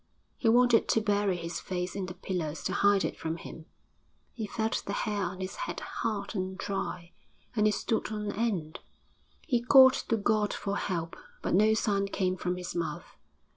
He wanted to bury his face in the pillows to hide it from him; he felt the hair on his head hard and dry, and it stood on end! He called to God for help, but no sound came from his mouth.